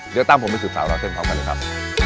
เดี๋ยวตามผมไปสืบสาวราวเส้นพร้อมกันเลยครับ